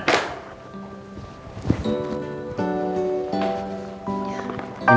ini buat ibu